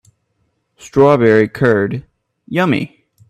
Strawberry curd, yummy!